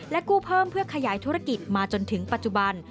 กู้เพิ่มเพื่อขยายธุรกิจมาจนถึงปัจจุบัน